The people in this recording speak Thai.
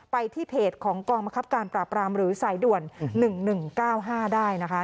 ไปที่เพจของกองบังคับการปราบรามหรือสายด่วน๑๑๙๕ได้นะคะ